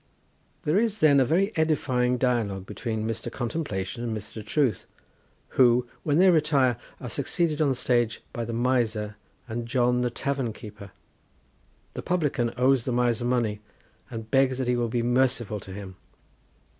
There is then a very edifying dialogue between Mr. Contemplation and Mr. Truth, who, when they retire, are succeeded on the stage by the Miser and John the Tavern keeper. The publican owes the Miser money, and begs that he will be merciful to him.